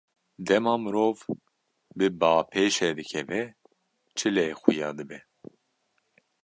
Dema mirov bi bapêşê dikeve, çi lê xuya dibe?